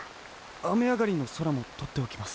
あめあがりのそらもとっておきます。